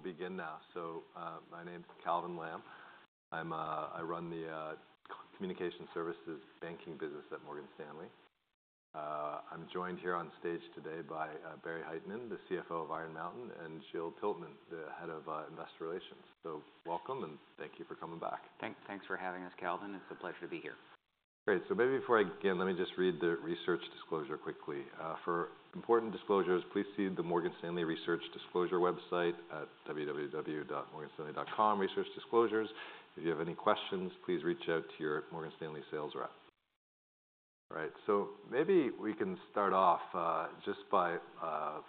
Maybe we'll begin now. So, my name's Calvin Ling. I'm, I run the, Communication Services Banking Business at Morgan Stanley. I'm joined here on stage today by, Barry Hytinen, the CFO of Iron Mountain, and Gillian Tilson, the Head of, Investor Relations. So welcome, and thank you for coming back. Thanks for having us, Calvin Ling. It's a pleasure to be here. Great. So maybe before I begin, let me just read the research disclosure quickly. For important disclosures, please see the Morgan Stanley Research Disclosure website at www.morganstanley.com Research Disclosures. If you have any questions, please reach out to your Morgan Stanley sales rep. All right, so maybe we can start off, just by,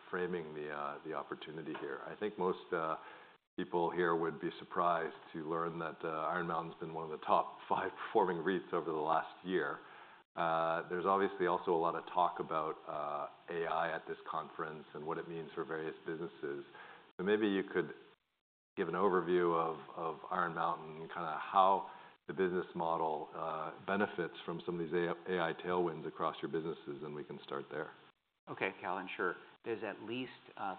framing the, the opportunity here. I think most, people here would be surprised to learn that, Iron Mountain's been one of the top five performing REITs over the last year. There's obviously also a lot of talk about, AI at this conference and what it means for various businesses. So maybe you could give an overview of Iron Mountain and kind of how the business model, benefits from some of these AI tailwinds across your businesses, and we can start there. Okay, Calvin, sure. There's at least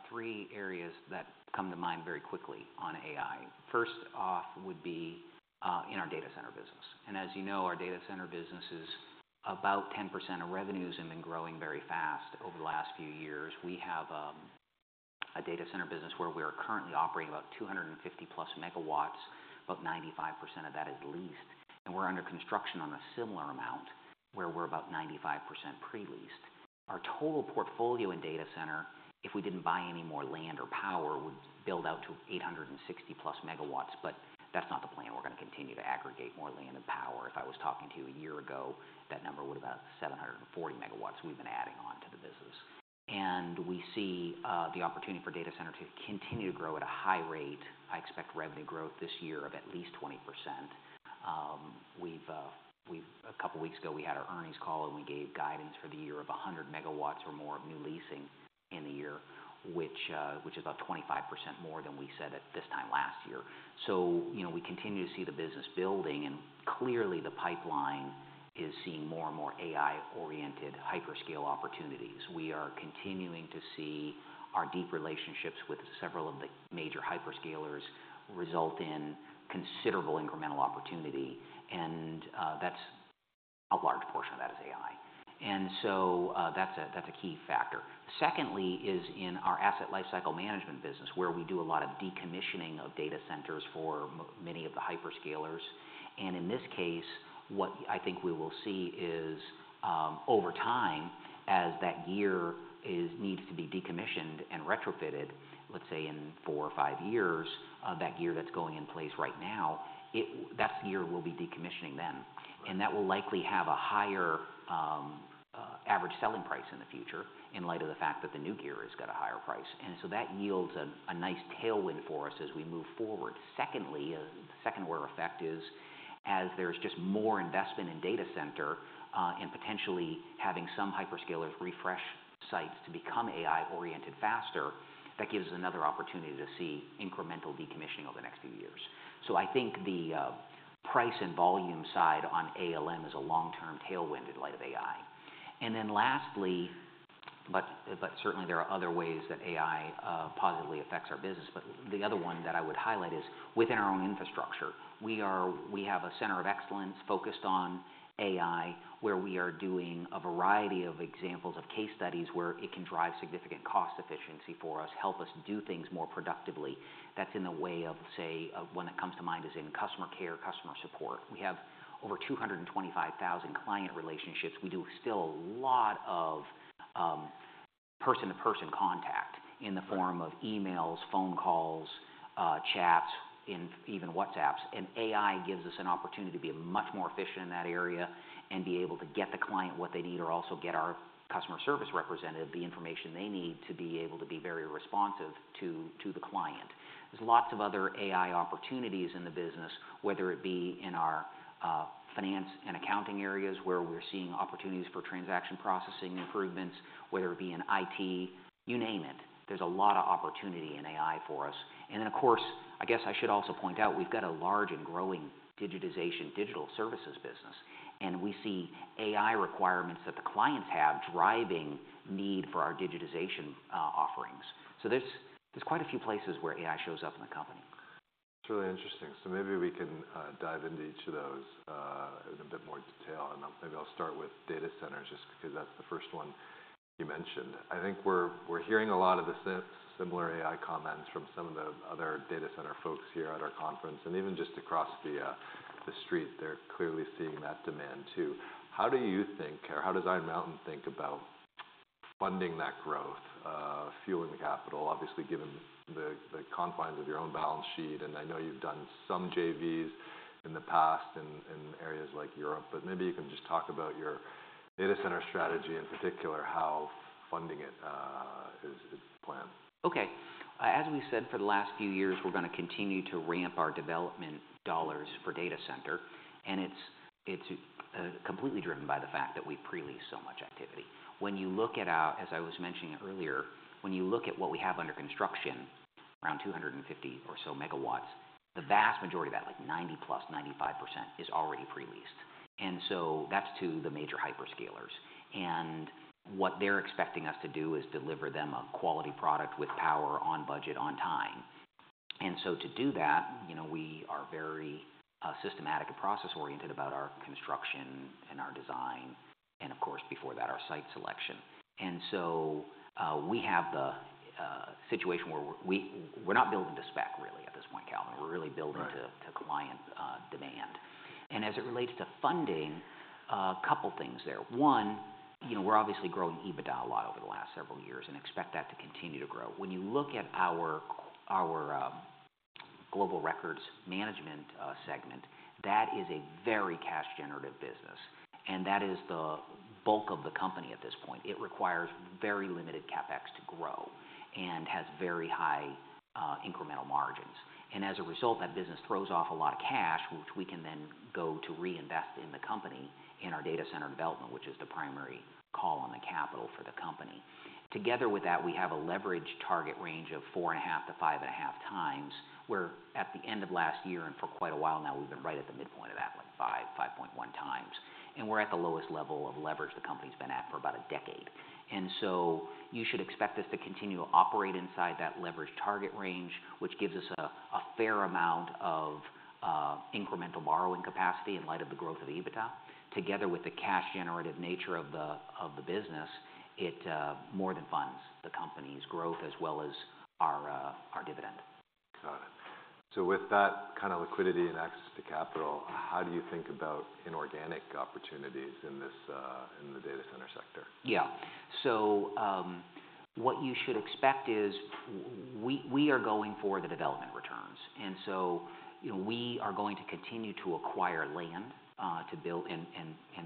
three areas that come to mind very quickly on AI. First off, would be in our data center business. As you know, our data center business is about 10% of revenues and been growing very fast over the last few years. We have a data center business where we are currently operating about 250+ MW, about 95% of that is leased. We're under construction on a similar amount, where we're about 95% pre-leased. Our total portfolio in data center, if we didn't buy any more land or power, would build out to 860+ MW, but that's not the plan. We're gonna continue to aggregate more land and power. If I was talking to you a year ago, that number was about 740 MW we've been adding on to the business. We see the opportunity for data center to continue to grow at a high rate. I expect revenue growth this year of at least 20%. A couple of weeks ago, we had our earnings call, and we gave guidance for the year of 100 MW or more of new leasing in the year, which is about 25% more than we said at this time last year. You know, we continue to see the business building, and clearly, the pipeline is seeing more and more AI-oriented hyperscale opportunities. We are continuing to see our deep relationships with several of the major hyperscalers result in considerable incremental opportunity, and that's... A large portion of that is AI. And so, that's a key factor. Secondly, is in our Asset Lifecycle Management business, where we do a lot of decommissioning of data centers for many of the hyperscalers. And in this case, what I think we will see is, over time, as that gear needs to be decommissioned and retrofitted, let's say, in four or five years, that gear that's going in place right now, that's the year we'll be decommissioning them. Right. And that will likely have a higher average selling price in the future, in light of the fact that the new gear has got a higher price. And so that yields a nice tailwind for us as we move forward. Secondly, the second order effect is, as there's just more investment in data center and potentially having some hyperscaler refresh sites to become AI-oriented faster, that gives us another opportunity to see incremental decommissioning over the next few years. So I think the price and volume side on ALM is a long-term tailwind in light of AI. And then lastly, but certainly there are other ways that AI positively affects our business. But the other one that I would highlight is within our own infrastructure. We have a center of excellence focused on AI, where we are doing a variety of examples of case studies where it can drive significant cost efficiency for us, help us do things more productively. That's in the way of, say, one that comes to mind is in customer care, customer support. We have over 225,000 client relationships. We do still a lot of person-to-person contact in the form of emails, phone calls, chats, and even WhatsApps. And AI gives us an opportunity to be much more efficient in that area and be able to get the client what they need, or also get our customer service representative the information they need to be able to be very responsive to the client. There's lots of other AI opportunities in the business, whether it be in our, finance and accounting areas, where we're seeing opportunities for transaction processing improvements, whether it be in IT, you name it. There's a lot of opportunity in AI for us. And then, of course, I guess I should also point out, we've got a large and growing digitization, digital services business, and we see AI requirements that the clients have, driving need for our digitization, offerings. So there's, there's quite a few places where AI shows up in the company. It's really interesting. Maybe we can dive into each of those in a bit more detail. Maybe I'll start with data centers, just because that's the first one you mentioned. I think we're hearing a lot of the similar AI comments from some of the other data center folks here at our conference, and even just across the street, they're clearly seeing that demand too. How do you think or how does Iron Mountain think about funding that growth, fueling the capital, obviously, given the confines of your own balance sheet? I know you've done some JVs in the past in areas like Europe, but maybe you can just talk about your data center strategy, in particular, how funding it is planned. Okay. As we said, for the last few years, we're gonna continue to ramp our development dollars for data center, and it's completely driven by the fact that we pre-leased so much activity. When you look at what we have under construction, around 250 or so MW, the vast majority of that, like 90+, 95%, is already pre-leased. And so that's to the major hyperscalers. And what they're expecting us to do is deliver them a quality product with power on budget, on time. And so to do that, you know, we are very systematic and process-oriented about our construction and our design, and of course, before that, our site selection. And so, we have the situation where we're not building to spec really at this point, Calvin. We're really building- Right... to client demand. And as it relates to funding, a couple things there. One, you know, we're obviously growing EBITDA a lot over the last several years and expect that to continue to grow. When you look at our Global Records Management segment, that is a very cash generative business, and that is the bulk of the company at this point. It requires very limited CapEx to grow and has very high incremental margins. And as a result, that business throws off a lot of cash, which we can then go to reinvest in the company, in our data center development, which is the primary call on the capital for the company. Together with that, we have a leverage target range of 4.5-5.5 times, where at the end of last year and for quite a while now, we've been right at the midpoint of that, like 5, 5.1 times. And we're at the lowest level of leverage the company's been at for about a decade. And so you should expect us to continue to operate inside that leverage target range, which gives us a fair amount of incremental borrowing capacity in light of the growth of EBITDA. Together with the cash-generative nature of the business, it more than funds the company's growth as well as our dividend. Got it. So with that kind of liquidity and access to capital, how do you think about inorganic opportunities in this, in the data center sector? Yeah. So, what you should expect is we are going for the development returns, and so, you know, we are going to continue to acquire land to build and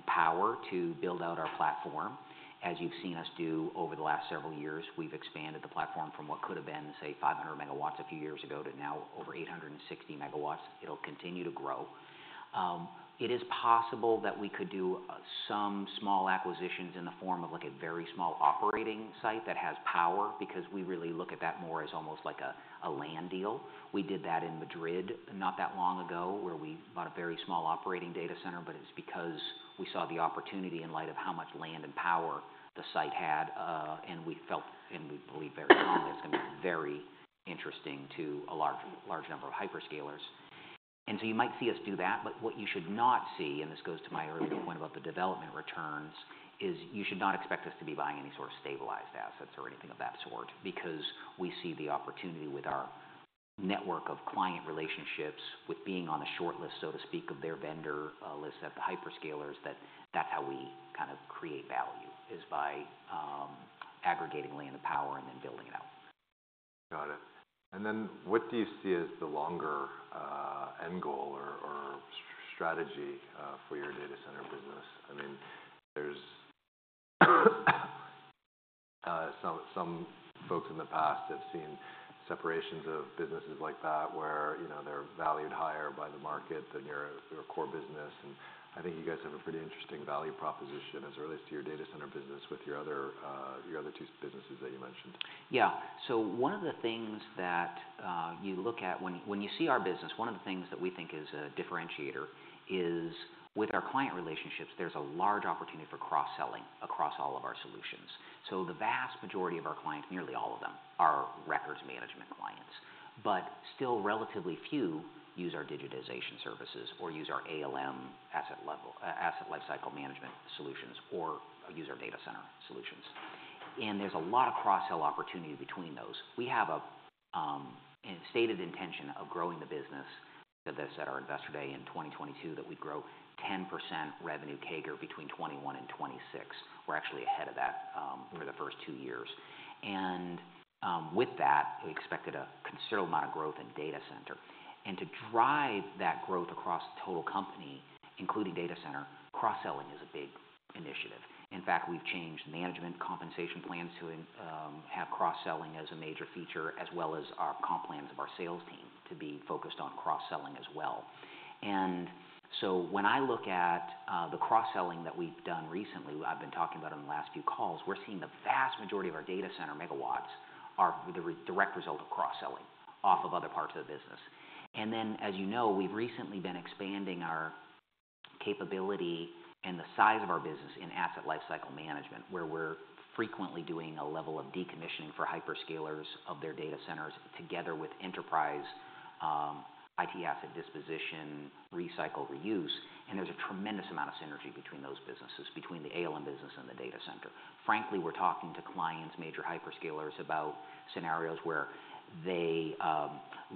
power to build out our platform, as you've seen us do over the last several years. We've expanded the platform from what could have been, say, 500 MW a few years ago, to now over 860 MW. It'll continue to grow. It is possible that we could do some small acquisitions in the form of, like, a very small operating site that has power, because we really look at that more as almost like a land deal. We did that in Madrid not that long ago, where we bought a very small operating data center, but it's because we saw the opportunity in light of how much land and power the site had, and we felt, and we believe very strongly, it's going to be very interesting to a large, large number of hyperscalers. And so you might see us do that, but what you should not see, and this goes to my earlier point about the development returns, is you should not expect us to be buying any sort of stabilized assets or anything of that sort. Because we see the opportunity with our network of client relationships, with being on a shortlist, so to speak, of their vendor list of the hyperscalers, that that's how we kind of create value, is by aggregating land and power and then building it out. Got it. And then what do you see as the longer end goal or strategy for your data center business? I mean, there's some folks in the past have seen separations of businesses like that where, you know, they're valued higher by the market than your core business. And I think you guys have a pretty interesting value proposition as it relates to your data center business with your other two businesses that you mentioned. Yeah. So one of the things that, you look at when, when you see our business, one of the things that we think is a differentiator is, with our client relationships, there's a large opportunity for cross-selling across all of our solutions. So the vast majority of our clients, nearly all of them, are records management clients, but still relatively few use our digitization services or use our ALM, asset level, Asset Lifecycle Management solutions or use our data center solutions. And there's a lot of cross-sell opportunity between those. We have a and a stated intention of growing the business. Said this at our Investor Day in 2022, that we'd grow 10% revenue CAGR between 2021 and 2026. We're actually ahead of that, over the first two years. With that, we expected a considerable amount of growth in Data Center. To drive that growth across the total company, including Data Center, cross-selling is a big initiative. In fact, we've changed management compensation plans to incentivize having cross-selling as a major feature, as well as our comp plans of our sales team to be focused on cross-selling as well. So when I look at the cross-selling that we've done recently, I've been talking about on the last few calls, we're seeing the vast majority of our Data Center megawatts are the direct result of cross-selling off of other parts of the business. And then, as you know, we've recently been expanding our capability and the size of our business in Asset Lifecycle Management, where we're frequently doing a level of decommissioning for hyperscalers of their data centers, together with enterprise, IT asset disposition, recycle, reuse. There's a tremendous amount of synergy between those businesses, between the ALM business and the data center. Frankly, we're talking to clients, major hyperscalers, about scenarios where they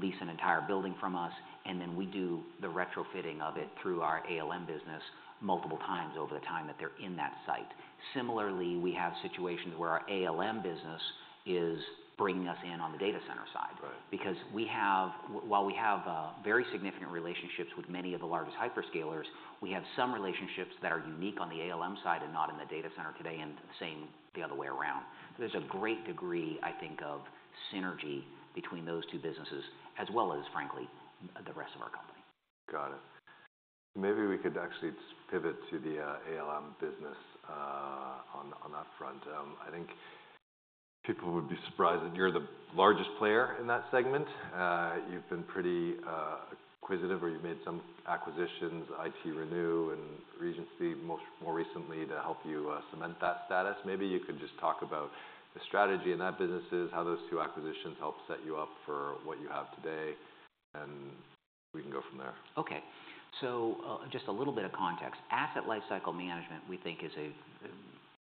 lease an entire building from us, and then we do the retrofitting of it through our ALM business multiple times over the time that they're in that site. Similarly, we have situations where our ALM business is bringing us in on the data center side. Right. Because we have while we have very significant relationships with many of the largest hyperscalers, we have some relationships that are unique on the ALM side and not in the data center today, and the same the other way around. So there's a great degree, I think, of synergy between those two businesses, as well as, frankly, the rest of our company. Got it. Maybe we could actually just pivot to the ALM business, on, on that front. I think people would be surprised that you're the largest player in that segment. You've been pretty acquisitive, or you've made some acquisitions, ITRenew and Regency, most recently, to help you cement that status. Maybe you could just talk about strategy in that business is, how those two acquisitions help set you up for what you have today, and we can go from there. Okay. So, just a little bit of context. Asset Lifecycle Management, we think, is a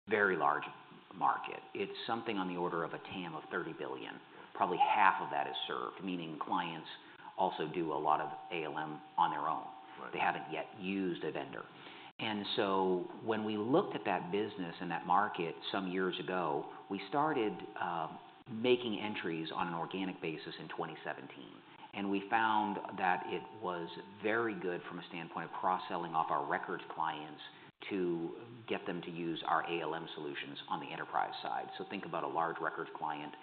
very large market. It's something on the order of a TAM of $30 billion. Right. Probably half of that is served, meaning clients also do a lot of ALM on their own. Right. They haven't yet used a vendor. So when we looked at that business and that market some years ago, we started making entries on an organic basis in 2017, and we found that it was very good from a standpoint of cross-selling off our records clients to get them to use our ALM solutions on the enterprise side. So think about a large records client.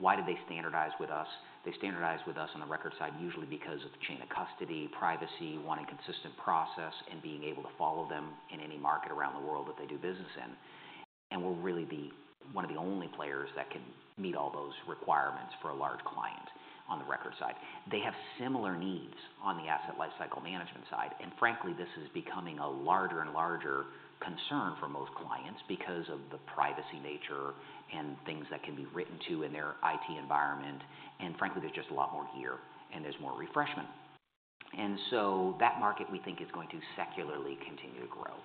Why did they standardize with us? They standardized with us on the record side, usually because of the chain of custody, privacy, wanting consistent process, and being able to follow them in any market around the world that they do business in. And we're really the one of the only players that can meet all those requirements for a large client on the record side. They have similar needs on the Asset Lifecycle Management side, and frankly, this is becoming a larger and larger concern for most clients because of the privacy nature and things that can be written to in their IT environment. Frankly, there's just a lot more gear and there's more refreshment. So that market, we think, is going to secularly continue to grow.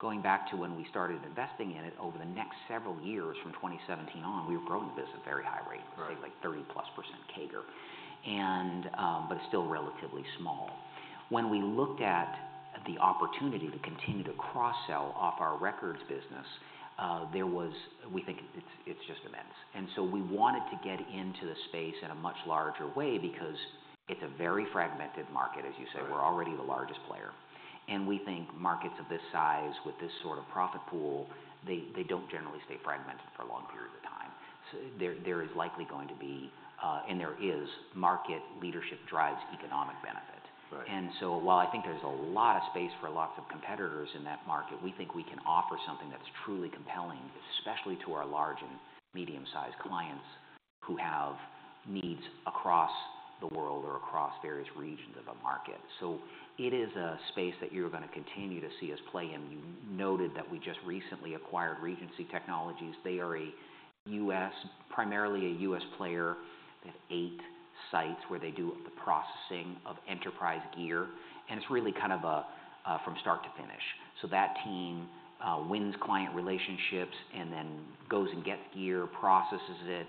Going back to when we started investing in it, over the next several years, from 2017 on, we were growing the business at a very high rate- Right... say, like 30+% CAGR, and but it's still relatively small. When we looked at the opportunity to continue to cross-sell off our records business, we think it's just immense. And so we wanted to get into the space in a much larger way because it's a very fragmented market, as you say. Right. We're already the largest player, and we think markets of this size, with this sort of profit pool, they don't generally stay fragmented for long periods of time. So there is likely going to be, and there is market leadership drives economic benefit. Right. And so while I think there's a lot of space for lots of competitors in that market, we think we can offer something that's truly compelling, especially to our large and medium-sized clients, who have needs across the world or across various regions of a market. So it is a space that you're gonna continue to see us play in. You noted that we just recently acquired Regency Technologies. They are a U.S.--primarily a U.S. player. They have eight sites where they do the processing of enterprise gear, and it's really kind of a, from start to finish. So that team wins client relationships and then goes and gets gear, processes it,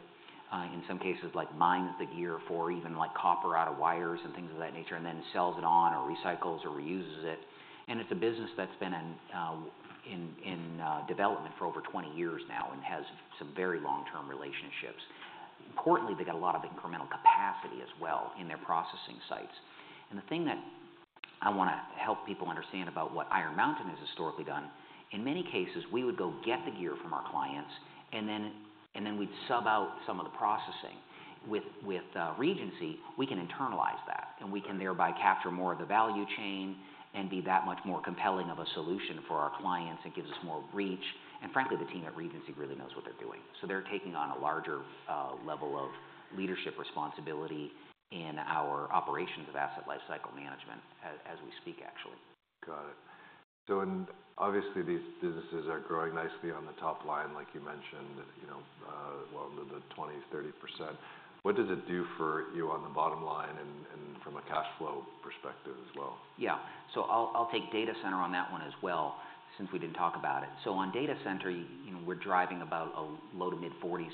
in some cases, like, mines the gear for even, like, copper out of wires and things of that nature, and then sells it on or recycles or reuses it. And it's a business that's been in development for over 20 years now and has some very long-term relationships. Importantly, they got a lot of incremental capacity as well in their processing sites. And the thing that I wanna help people understand about what Iron Mountain has historically done, in many cases, we would go get the gear from our clients, and then we'd sub out some of the processing. With Regency, we can internalize that- Right... and we can thereby capture more of the value chain and be that much more compelling of a solution for our clients. It gives us more reach, and frankly, the team at Regency really knows what they're doing. So they're taking on a larger level of leadership responsibility in our operations of Asset Lifecycle Management as we speak, actually. Got it. So and obviously, these businesses are growing nicely on the top line, like you mentioned, you know, well into the 20%-30%. What does it do for you on the bottom line and from a cash flow perspective as well? Yeah. So I'll take Data Center on that one as well, since we didn't talk about it. So on Data Center, you know, we're driving about a low- to mid-40s%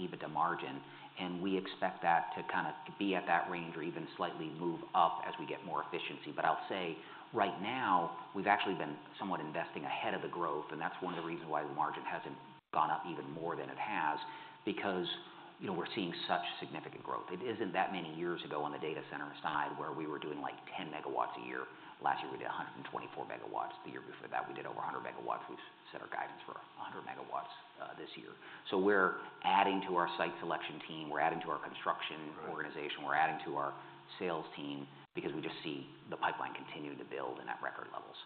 EBITDA margin, and we expect that to kind of be at that range or even slightly move up as we get more efficiency. But I'll say, right now, we've actually been somewhat investing ahead of the growth, and that's one of the reasons why the margin hasn't gone up even more than it has, because, you know, we're seeing such significant growth. It isn't that many years ago on the Data Center side where we were doing, like, 10 MW a year. Last year, we did 124 MW. The year before that, we did over 100 MW. We've set our guidance for 100 MW this year. We're adding to our site selection team, we're adding to our construction- Right ...organization, we're adding to our sales team because we just see the pipeline continuing to build and at record levels.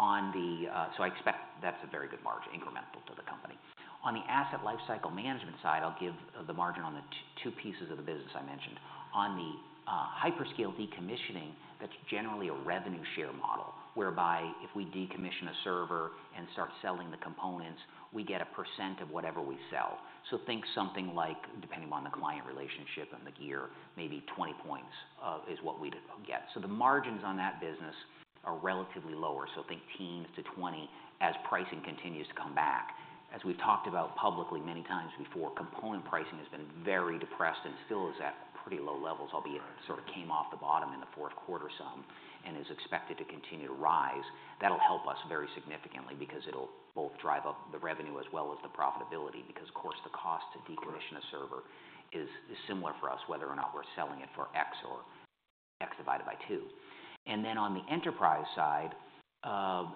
On the, So I expect that's a very good margin incremental to the company. On the Asset Lifecycle Management side, I'll give the margin on the two pieces of the business I mentioned. On the hyperscale decommissioning, that's generally a revenue share model, whereby if we decommission a server and start selling the components, we get a percent of whatever we sell. So think something like, depending on the client relationship and the gear, maybe 20 points is what we'd get. So the margins on that business are relatively lower, so think teens to 20, as pricing continues to come back. As we've talked about publicly many times before, component pricing has been very depressed and still is at pretty low levels- Right... albeit it sort of came off the bottom in the fourth quarter some and is expected to continue to rise. That'll help us very significantly because it'll both drive up the revenue as well as the profitability, because of course, the cost to decommission- Right... a server is similar for us, whether or not we're selling it for X or X divided by two. And then on the enterprise side,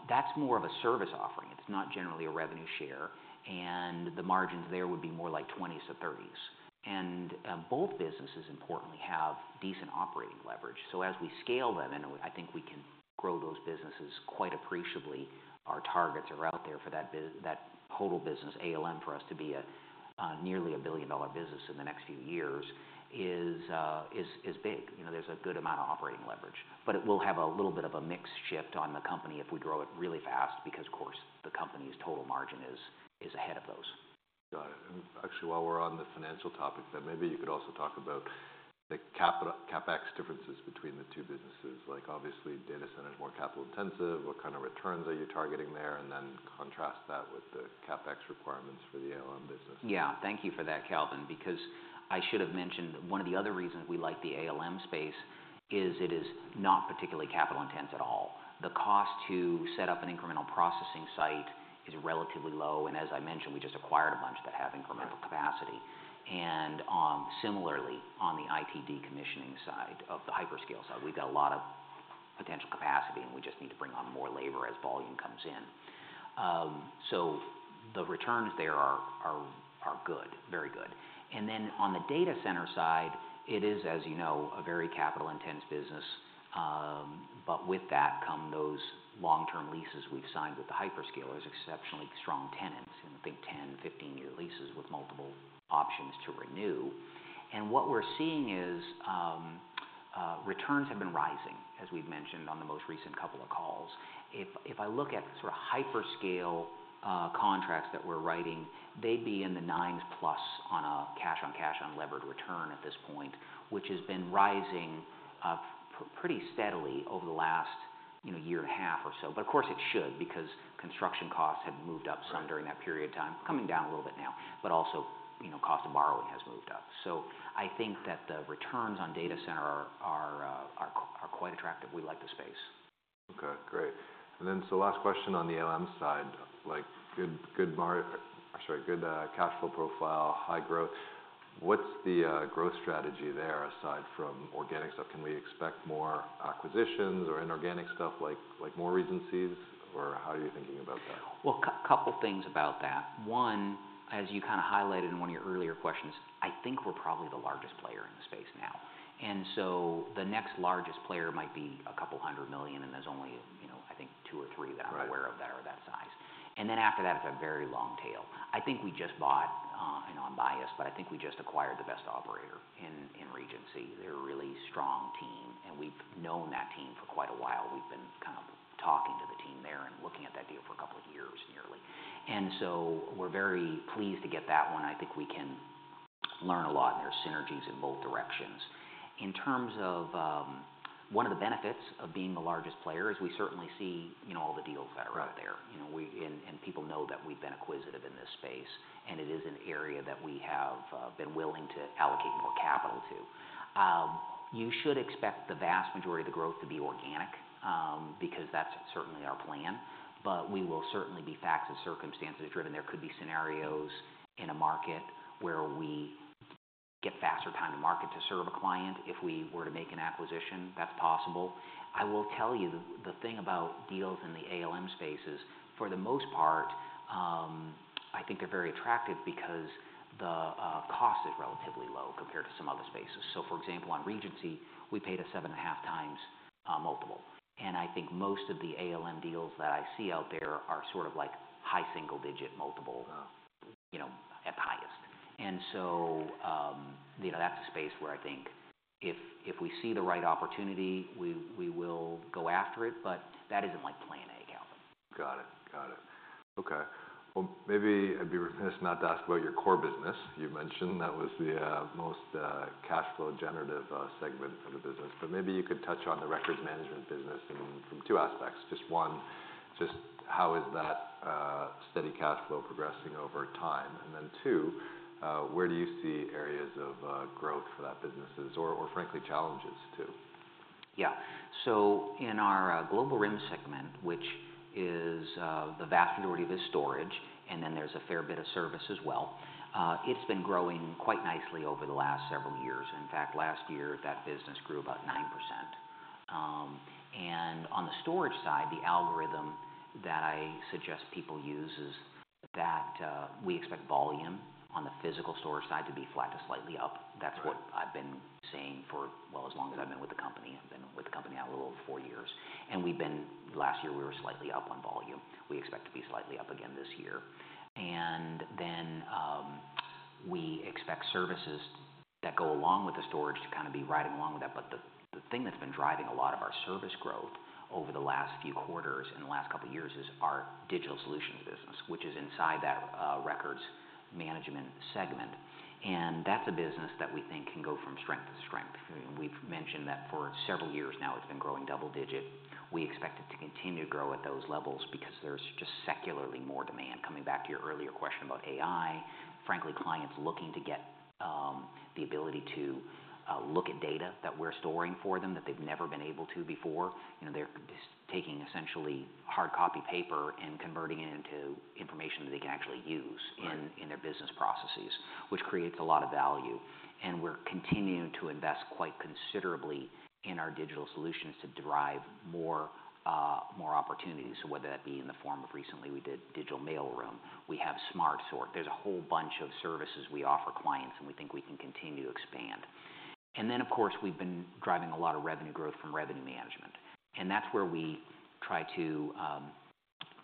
that's more of a service offering. It's not generally a revenue share, and the margins there would be more like 20%-30%. And both businesses, importantly, have decent operating leverage. So as we scale them, and I think we can grow those businesses quite appreciably, our targets are out there for that total business, ALM, for us to be a nearly a billion-dollar business in the next few years; that is big. You know, there's a good amount of operating leverage, but it will have a little bit of a mix shift on the company if we grow it really fast, because of course the company's total margin is ahead of those. Got it. And actually, while we're on the financial topic, then maybe you could also talk about the CapEx differences between the two businesses. Like, obviously, data center is more capital-intensive. What kind of returns are you targeting there? And then contrast that with the CapEx requirements for the ALM business. Yeah, thank you for that, Calvin, because I should have mentioned, one of the other reasons we like the ALM space is it is not particularly capital-intensive at all. The cost to set up an incremental processing site is relatively low, and as I mentioned, we just acquired a bunch that have incremental capacity. And similarly, on the IT decommissioning side of the hyperscale side, we've got a lot of potential capacity, and we just need to bring on more labor as volume comes in. So the returns there are good, very good. And then on the data center side, it is, as you know, a very capital-intensive business. But with that come those long-term leases we've signed with the hyperscalers, exceptionally strong tenants in the Big Tech, 15-year leases with multiple options to renew. What we're seeing is returns have been rising, as we've mentioned on the most recent couple of calls. If I look at sort of hyperscale contracts that we're writing, they'd be in the nines plus on a cash-on-cash, unlevered return at this point, which has been rising pretty steadily over the last, you know, year and a half or so. But of course, it should, because construction costs have moved up some- Right During that period of time, coming down a little bit now. But also, you know, cost of borrowing has moved up. So I think that the returns on data center are quite attractive. We like the space. Okay, great. Then, the last question on the ALM side, like, good cash flow profile, high growth. What's the growth strategy there, aside from organic stuff? Can we expect more acquisitions or inorganic stuff, like more Regencys, or how are you thinking about that? Well, couple things about that. One, as you kind of highlighted in one of your earlier questions, I think we're probably the largest player in the space now. And so the next largest player might be $200 million, and there's only, you know, I think two or three- Right that I'm aware of that are that size. And then after that, it's a very long tail. I think we just bought. I know I'm biased, but I think we just acquired the best operator in Regency. They're a really strong team, and we've known that team for quite a while. We've been kind of talking to the team there and looking at that deal for a couple of years, nearly. And so we're very pleased to get that one. I think we can learn a lot, and there's synergies in both directions. In terms of one of the benefits of being the largest player, is we certainly see, you know, all the deals that are out there. Right. You know, we and people know that we've been acquisitive in this space, and it is an area that we have been willing to allocate more capital to. You should expect the vast majority of the growth to be organic, because that's certainly our plan, but we will certainly be facts and circumstances driven. There could be scenarios in a market where we get faster time to market to serve a client. If we were to make an acquisition, that's possible. I will tell you, the thing about deals in the ALM space is, for the most part, I think they're very attractive because the cost is relatively low compared to some other spaces. So, for example, on Regency, we paid a 7.5x multiple. I think most of the ALM deals that I see out there are sort of like high single digit multiple- you know, at the highest. So, you know, that's a space where I think if, if we see the right opportunity, we, we will go after it, but that isn't like plan A, Calvin. Got it. Got it. Okay. Well, maybe I'd be remiss not to ask about your core business. You mentioned that was the most cash flow generative segment of the business. But maybe you could touch on the records management business from two aspects. Just one, just how is that steady cash flow progressing over time? And then, two, where do you see areas of growth for that businesses or frankly, challenges, too? Yeah. So in our Global RIM segment, which is the vast majority of it is storage, and then there's a fair bit of service as well, it's been growing quite nicely over the last several years. In fact, last year, that business grew about 9%. And on the storage side, the algorithm that I suggest people use is that we expect volume on the physical storage side to be flat to slightly up. Right. That's what I've been saying for, well, as long as I've been with the company. I've been with the company now a little over four years, and we've been-- last year, we were slightly up on volume. We expect to be slightly up again this year. And then, we expect services that go along with the storage to kind of be riding along with that. But the, the thing that's been driving a lot of our service growth over the last few quarters and the last couple of years is our Digital Solutions business, which is inside that, records management segment. And that's a business that we think can go from strength to strength. We've mentioned that for several years now, it's been growing double digit. We expect it to continue to grow at those levels because there's just secularly more demand. Coming back to your earlier question about AI, frankly, clients looking to get, the ability to, look at data that we're storing for them that they've never been able to before. You know, they're just taking essentially hard copy paper and converting it into information that they can actually use- Right in their business processes, which creates a lot of value. And we're continuing to invest quite considerably in our Digital Solutions to derive more, more opportunities. So whether that be in the form of recently, we did Digital Mailroom, we have Smart Sort. There's a whole bunch of services we offer clients, and we think we can continue to grow. And then, of course, we've been driving a lot of revenue growth from Revenue Management, and that's where we try to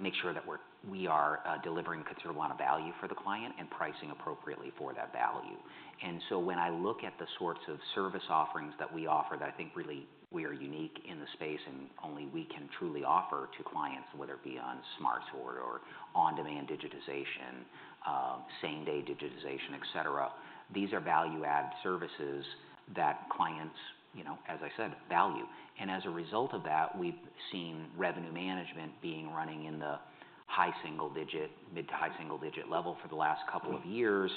make sure that we are delivering considerable amount of value for the client and pricing appropriately for that value. And so when I look at the sorts of service offerings that we offer, that I think really we are unique in the space and only we can truly offer to clients, whether it be on Smart Sort or on-demand digitization, same-day digitization, et cetera. These are value-add services that clients, you know, as I said, value. And as a result of that, we've seen Revenue Management being running in the high single digit, mid- to high-single-digit level for the last couple of years.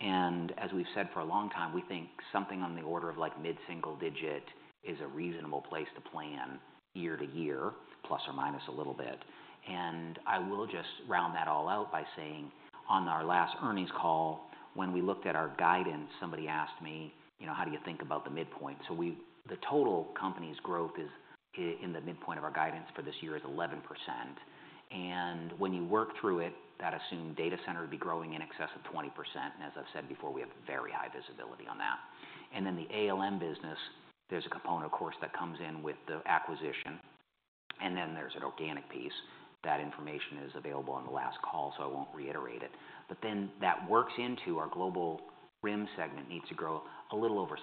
And as we've said for a long time, we think something on the order of like mid-single-digit is a reasonable place to plan year to year, plus or minus a little bit. And I will just round that all out by saying, on our last earnings call, when we looked at our guidance, somebody asked me, "You know, how do you think about the midpoint?" So, the total company's growth is in the midpoint of our guidance for this year is 11%. And when you work through it, that assumed data center would be growing in excess of 20%. As I've said before, we have very high visibility on that. And then the ALM business, there's a component, of course, that comes in with the acquisition, and then there's an organic piece. That information is available on the last call, so I won't reiterate it. But then that works into our global RIM segment, needs to grow a little over 6%,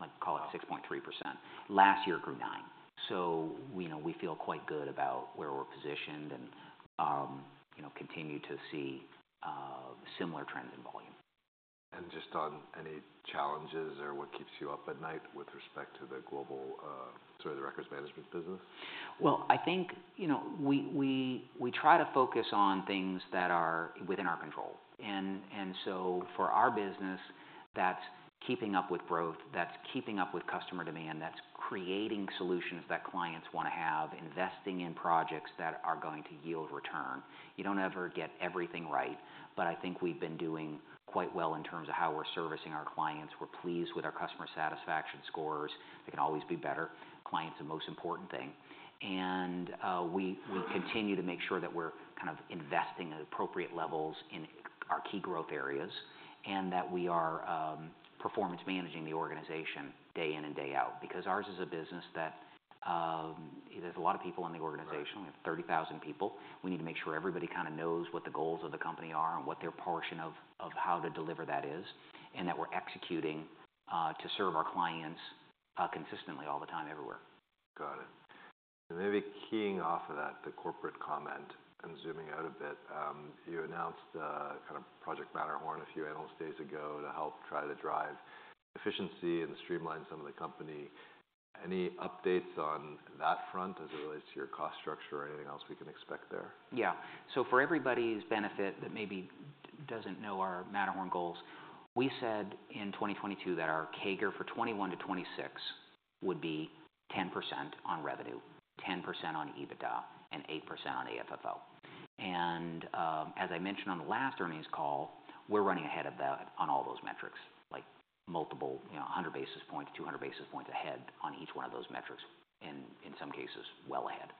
let's call it 6.3%. Last year, it grew 9%. So you know, we feel quite good about where we're positioned and, you know, continue to see similar trends in volume. Just on any challenges or what keeps you up at night with respect to the global, sort of the records management business? Well, I think, you know, we try to focus on things that are within our control. And so for our business, that's keeping up with growth, that's keeping up with customer demand, that's creating solutions that clients want to have, investing in projects that are going to yield return. You don't ever get everything right, but I think we've been doing quite well in terms of how we're servicing our clients. We're pleased with our customer satisfaction scores. They can always be better. Client's the most important thing. And we continue to make sure that we're kind of investing at appropriate levels in our key growth areas, and that we are performance managing the organization day in and day out, because ours is a business that there's a lot of people in the organization. Right. We have 30,000 people. We need to make sure everybody kind of knows what the goals of the company are and what their portion of how to deliver that is, and that we're executing to serve our clients consistently all the time, everywhere. Got it. And maybe keying off of that, the corporate comment, and zooming out a bit, you announced, kind of Project Matterhorn a few analyst days ago to help try to drive efficiency and streamline some of the company. Any updates on that front as it relates to your cost structure or anything else we can expect there? Yeah. So for everybody's benefit, that maybe doesn't know our Matterhorn goals, we said in 2022 that our CAGR for 2021-2026 would be 10% on revenue, 10% on EBITDA, and 8% on AFFO. And as I mentioned on the last earnings call, we're running ahead of that on all those metrics, like multiple, you know, 100 basis points, 200 basis points ahead on each one of those metrics, and in some cases, well ahead.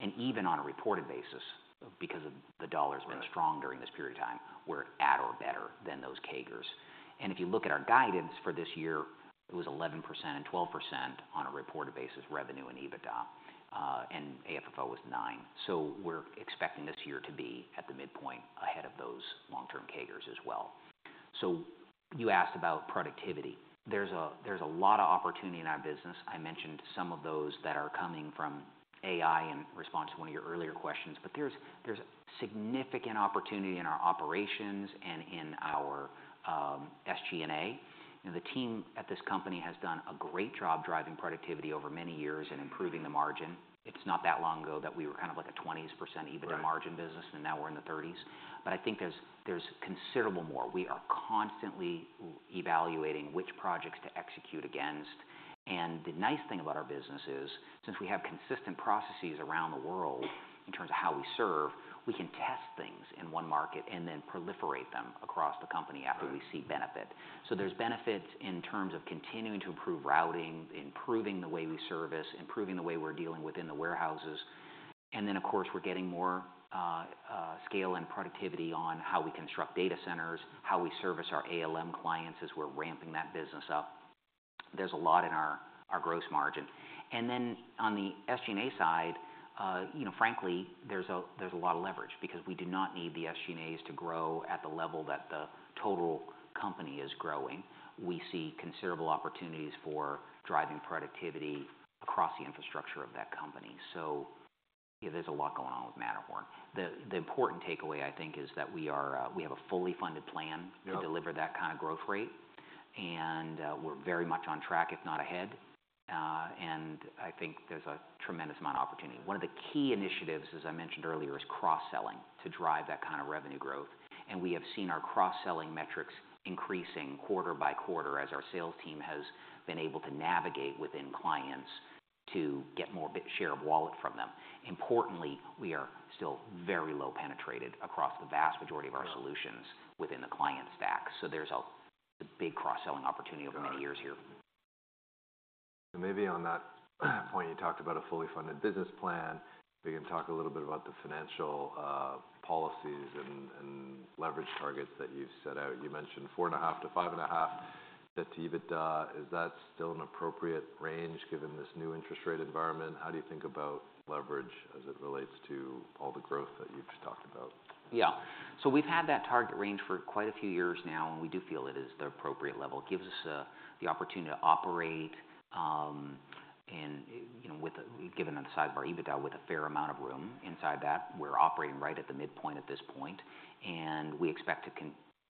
And even on a reported basis, because the dollar's been strong- Right... during this period of time, we're at or better than those CAGRs. And if you look at our guidance for this year, it was 11% and 12% on a reported basis, revenue and EBITDA, and AFFO was 9%. So we're expecting this year to be at the midpoint ahead of those long-term CAGRs as well. So you asked about productivity. There's a lot of opportunity in our business. I mentioned some of those that are coming from AI in response to one of your earlier questions, but there's significant opportunity in our operations and in our SG&A. You know, the team at this company has done a great job driving productivity over many years and improving the margin. It's not that long ago that we were kind of like a 20s% EBITDA margin business- Right... and now we're in the 30s. But I think there's considerable more. We are constantly evaluating which projects to execute against. And the nice thing about our business is, since we have consistent processes around the world in terms of how we serve, we can test things in one market and then proliferate them across the company after we see benefit. Right. So there's benefits in terms of continuing to improve routing, improving the way we service, improving the way we're dealing within the warehouses. Then, of course, we're getting more scale and productivity on how we construct data centers, how we service our ALM clients as we're ramping that business up. There's a lot in our gross margin. Then on the SG&A side, you know, frankly, there's a lot of leverage because we do not need the SG&As to grow at the level that the total company is growing. We see considerable opportunities for driving productivity across the infrastructure of that company. So there's a lot going on with Matterhorn. The important takeaway, I think, is that we are, we have a fully funded plan- Yeah... to deliver that kind of growth rate, and, we're very much on track, if not ahead. And I think there's a tremendous amount of opportunity. One of the key initiatives, as I mentioned earlier, is cross-selling, to drive that kind of revenue growth. And we have seen our cross-selling metrics increasing quarter by quarter as our sales team has been able to navigate within clients to get more big share of wallet from them. Importantly, we are still very low penetrated across the vast majority of our solutions- Right... within the client stack. So there's a big cross-selling opportunity over many years here.... Maybe on that point, you talked about a fully funded business plan. We can talk a little bit about the financial policies and leverage targets that you've set out. You mentioned 4.5-5.5x EBITDA. Is that still an appropriate range given this new interest rate environment? How do you think about leverage as it relates to all the growth that you've just talked about? Yeah. So we've had that target range for quite a few years now, and we do feel it is the appropriate level. It gives us the opportunity to operate, and, you know, with, given the size of our EBITDA, with a fair amount of room inside that. We're operating right at the midpoint at this point, and we expect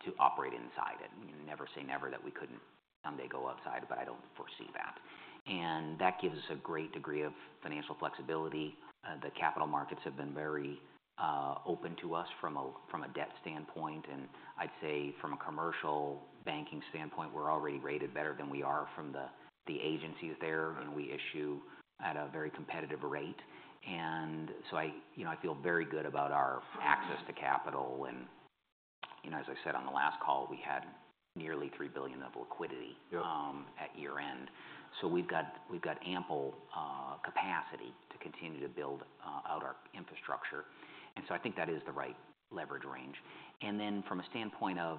to to operate inside it. Never say never, that we couldn't someday go outside, but I don't foresee that. And that gives us a great degree of financial flexibility. The capital markets have been very open to us from a, from a debt standpoint, and I'd say from a commercial banking standpoint, we're already rated better than we are from the agencies there, and we issue at a very competitive rate. And so I, you know, I feel very good about our access to capital. You know, as I said on the last call, we had nearly $3 billion of liquidity- Yeah... at year-end. So we've got, we've got ample capacity to continue to build out our infrastructure. And so I think that is the right leverage range. And then from a standpoint of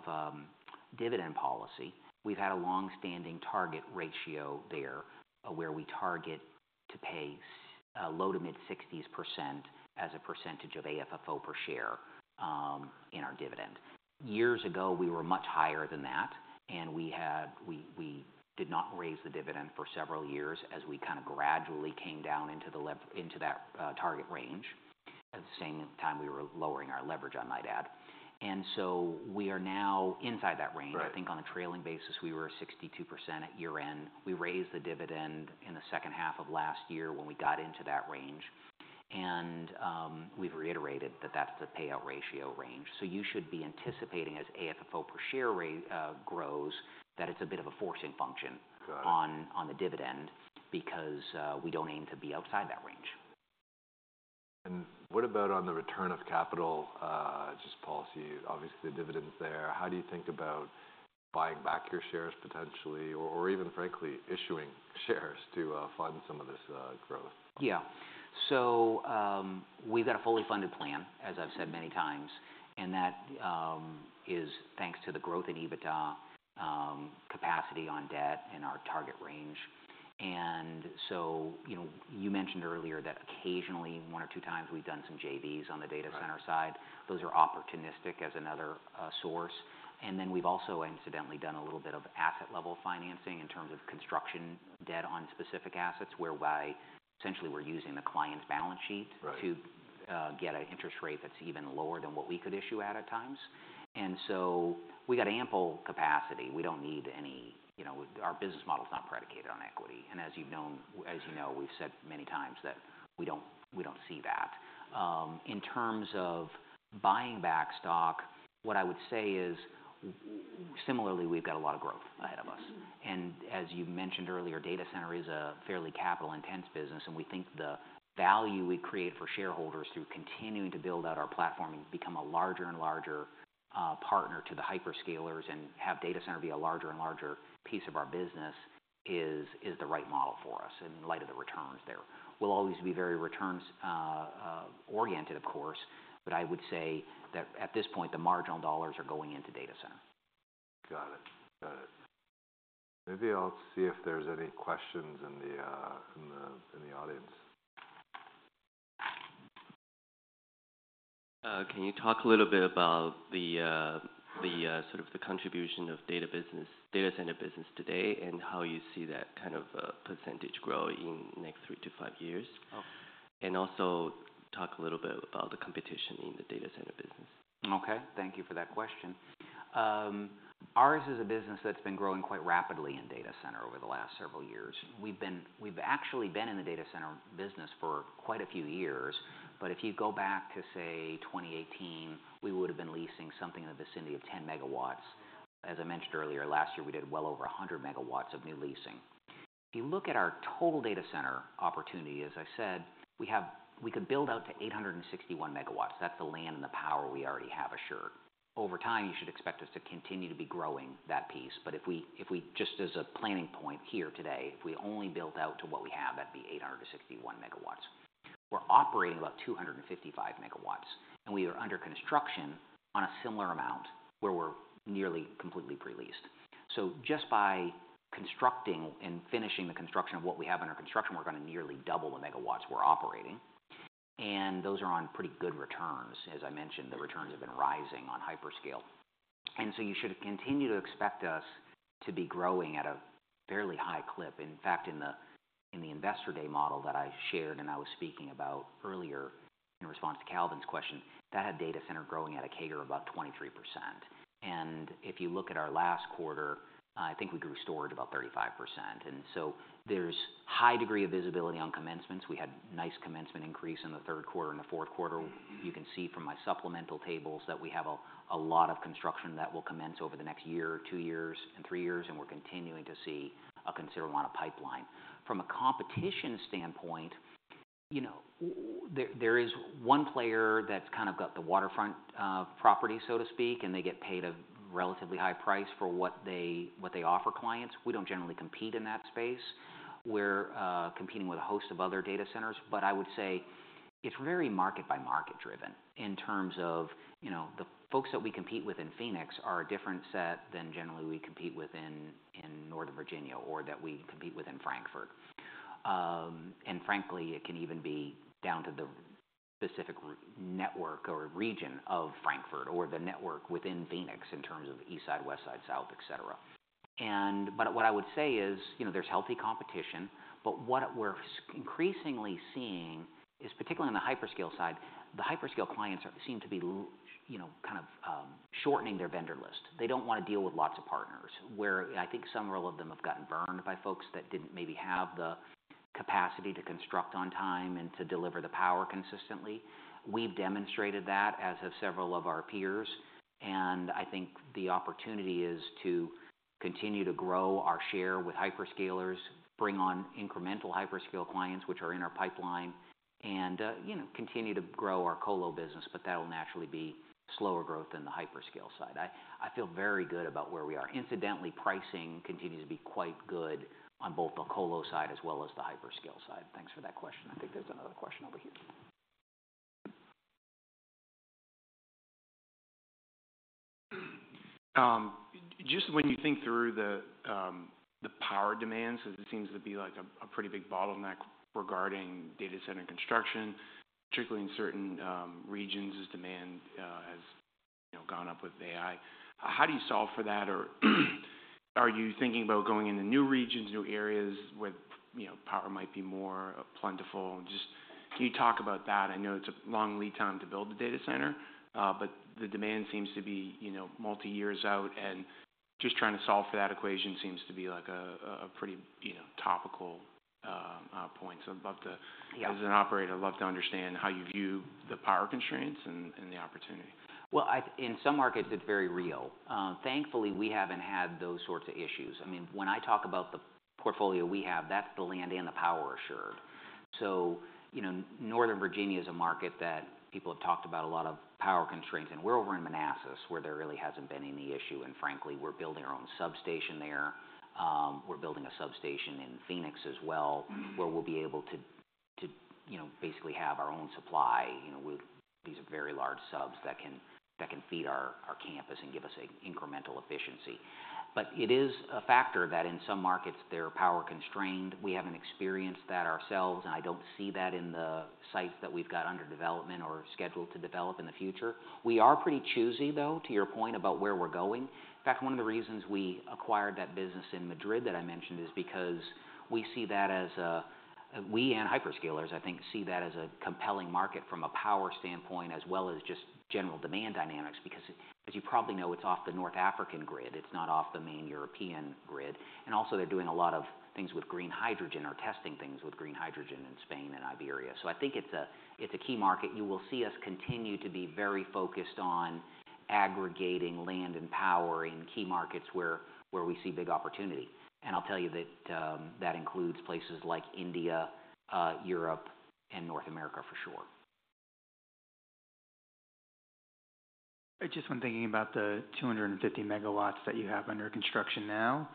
dividend policy, we've had a long-standing target ratio there, where we target to pay low- to mid-60s% as a percentage of AFFO per share in our dividend. Years ago, we were much higher than that, and we had-- we, we did not raise the dividend for several years as we kind of gradually came down into that target range. At the same time, we were lowering our leverage, I might add. And so we are now inside that range. Right. I think on a trailing basis, we were 62% at year-end. We raised the dividend in the second half of last year when we got into that range, and we've reiterated that that's the payout ratio range. So you should be anticipating, as AFFO per share rate grows, that it's a bit of a forcing function- Got it ...on the dividend because we don't aim to be outside that range. What about on the return of capital, just policy? Obviously, the dividend's there. How do you think about buying back your shares potentially, or even frankly, issuing shares to fund some of this growth? Yeah. So, we've got a fully funded plan, as I've said many times, and that is thanks to the growth in EBITDA, capacity on debt and our target range. And so, you know, you mentioned earlier that occasionally, one or two times we've done some JVs on the data center side. Right. Those are opportunistic as another source. Then we've also incidentally done a little bit of asset-level financing in terms of construction debt on specific assets, whereby essentially we're using the client's balance sheet- Right... to get an interest rate that's even lower than what we could issue at, at times. And so we got ample capacity. We don't need any, you know, our business model is not predicated on equity. And as you've known, as you know, we've said many times that we don't, we don't see that. In terms of buying back stock, what I would say is, similarly, we've got a lot of growth ahead of us. And as you've mentioned earlier, data center is a fairly capital-intensive business, and we think the value we create for shareholders through continuing to build out our platform and become a larger and larger, partner to the hyperscalers and have data center be a larger and larger piece of our business is, is the right model for us in light of the returns there. We'll always be very returns oriented, of course, but I would say that at this point, the marginal dollars are going into data center. Got it. Got it. Maybe I'll see if there's any questions in the audience. Can you talk a little bit about the sort of the contribution of data business, data center business today, and how you see that kind of percentage grow in next 3-5 years? Oh. Also talk a little bit about the competition in the data center business. Okay, thank you for that question. Ours is a business that's been growing quite rapidly in data center over the last several years. We've actually been in the data center business for quite a few years, but if you go back to, say, 2018, we would have been leasing something in the vicinity of 10 MW. As I mentioned earlier, last year, we did well over 100 MW of new leasing. If you look at our total data center opportunity, as I said, we have- we could build out to 861 MW. That's the land and the power we already have assured. Over time, you should expect us to continue to be growing that piece, but if we, if we... Just as a planning point here today, if we only built out to what we have, that'd be 861 MW. We're operating about 255 MW, and we are under construction on a similar amount, where we're nearly completely pre-leased. So just by constructing and finishing the construction of what we have under construction, we're gonna nearly double the MW we're operating, and those are on pretty good returns. As I mentioned, the returns have been rising on hyperscale. And so you should continue to expect us to be growing at a fairly high clip. In fact, in the Investor Day model that I shared and I was speaking about earlier in response to Calvin's question, that had data center growing at a CAGR of about 23%. If you look at our last quarter, I think we grew storage about 35%. So there's a high degree of visibility on commencements. We had a nice commencement increase in the third quarter and the fourth quarter. You can see from my supplemental tables that we have a lot of construction that will commence over the next year, two years and three years, and we're continuing to see a considerable amount of pipeline. From a competition standpoint, you know, there is one player that's kind of got the waterfront property, so to speak, and they get paid a relatively high price for what they offer clients. We don't generally compete in that space. We're competing with a host of other data centers, but I would say it's very market by market driven in terms of, you know, the folks that we compete with in Phoenix are a different set than generally we compete within in Northern Virginia or that we compete with in Frankfurt. And frankly, it can even be down to the specific network or region of Frankfurt, or the network within Phoenix in terms of east side, west side, south, et cetera. But what I would say is, you know, there's healthy competition, but what we're increasingly seeing is, particularly on the hyperscale side, the hyperscale clients seem to be, you know, kind of, shortening their vendor list. They don't want to deal with lots of partners, where I think some of them have gotten burned by folks that didn't maybe have the capacity to construct on time and to deliver the power consistently. We've demonstrated that, as have several of our peers, and I think the opportunity is to continue to grow our share with hyperscalers, bring on incremental hyperscale clients, which are in our pipeline, and, you know, continue to grow our colo business, but that will naturally be slower growth than the hyperscale side. I feel very good about where we are. Incidentally, pricing continues to be quite good on both the colo side as well as the hyperscale side. Thanks for that question. I think there's another question over here. Just when you think through the power demands, it seems to be like a pretty big bottleneck regarding data center construction, particularly in certain regions as demand has, you know, gone up with AI. How do you solve for that? Or are you thinking about going into new regions, new areas with, you know, power might be more plentiful? Just, can you talk about that? I know it's a long lead time to build a data center, but the demand seems to be, you know, multi years out, and just trying to solve for that equation seems to be like a pretty, you know, topical point. So I'd love to- Yeah. As an operator, I'd love to understand how you view the power constraints and the opportunity. Well, in some markets, it's very real. Thankfully, we haven't had those sorts of issues. I mean, when I talk about the portfolio we have, that's the land and the power assured. So, you know, Northern Virginia is a market that people have talked about a lot of power constraints, and we're over in Manassas, where there really hasn't been any issue, and frankly, we're building our own substation there. We're building a substation in Phoenix as well, where we'll be able to, you know, basically have our own supply, you know, with these very large subs that can feed our campus and give us an incremental efficiency. But it is a factor that in some markets, they're power constrained. We haven't experienced that ourselves, and I don't see that in the sites that we've got under development or scheduled to develop in the future. We are pretty choosy, though, to your point about where we're going. In fact, one of the reasons we acquired that business in Madrid that I mentioned, is because we see that as... We and hyperscalers, I think, see that as a compelling market from a power standpoint, as well as just general demand dynamics, because as you probably know, it's off the North African grid, it's not off the main European grid. And also they're doing a lot of things with green hydrogen or testing things with green hydrogen in Spain and Iberia. So I think it's a, it's a key market. You will see us continue to be very focused on aggregating land and power in key markets where we see big opportunity. And I'll tell you that, that includes places like India, Europe, and North America for sure. I was just thinking about the 250 MW that you have under construction now,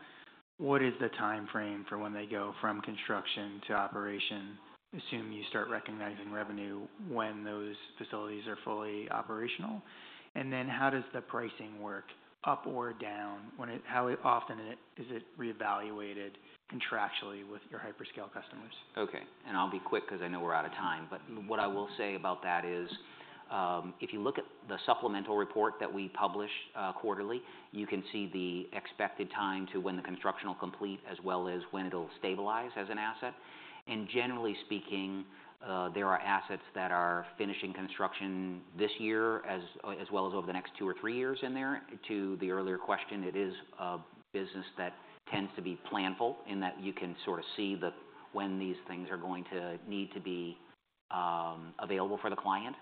what is the time frame for when they go from construction to operation? Assume you start recognizing revenue when those facilities are fully operational. And then how does the pricing work up or down? How often is it reevaluated contractually with your hyperscale customers? Okay, and I'll be quick because I know we're out of time. But what I will say about that is, if you look at the supplemental report that we publish quarterly, you can see the expected time to when the construction will complete, as well as when it'll stabilize as an asset. And generally speaking, there are assets that are finishing construction this year, as well as over the next 2 or 3 years in there. To the earlier question, it is a business that tends to be planful, in that you can sort of see the when these things are going to need to be available for the client.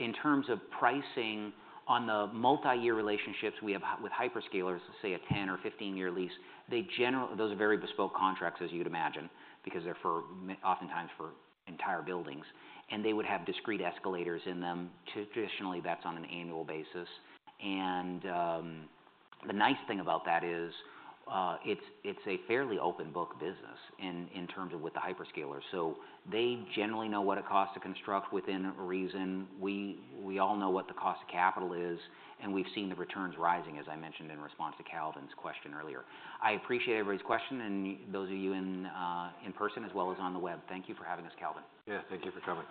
In terms of pricing, on the multi-year relationships we have with hyperscalers, say, a 10- or 15-year lease, they, those are very bespoke contracts, as you'd imagine, because they're oftentimes for entire buildings, and they would have discrete escalators in them. Traditionally, that's on an annual basis. The nice thing about that is, it's a fairly open book business in terms of with the hyperscalers. So they generally know what it costs to construct within reason. We all know what the cost of capital is, and we've seen the returns rising, as I mentioned in response to Calvin's question earlier. I appreciate everybody's question, and those of you in person as well as on the web, thank you for having us, Kalvin. Yeah, thank you for coming.